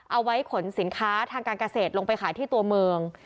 เอาไว้ขนสินค้าทางการเกษตรลงไปขายที่ตัวเมือง